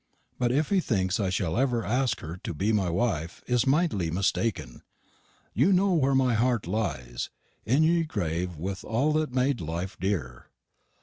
Butt if he thinks I shal everr arske her to be my wife he is mityly mistaken. You know wear my harte lies in ye grave with all that made life dere.